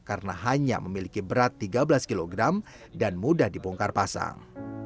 karena hanya memiliki berat tiga belas kg dan mudah dipongkar pasang